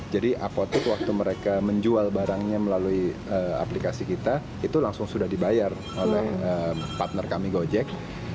apotek waktu mereka menjual barangnya melalui aplikasi kita itu langsung sudah dibayar oleh partner kami gojek